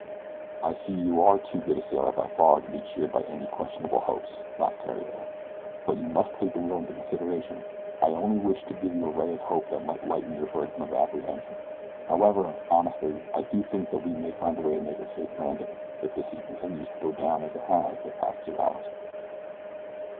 "I see you are too good a sailor by far to be cheered by any questionable hopes," laughed Theriere; "but you must take the will into consideration I only wished to give you a ray of hope that might lighten your burden of apprehension. However, honestly, I do think that we may find a way to make a safe landing if the sea continues to go down as it has in the past two hours.